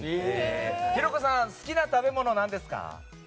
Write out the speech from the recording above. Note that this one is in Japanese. ひろこさん、好きな食べ物は何ですか？